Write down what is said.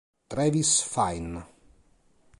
Travis Fine